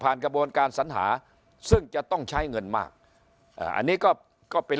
กระบวนการสัญหาซึ่งจะต้องใช้เงินมากอ่าอันนี้ก็ก็เป็น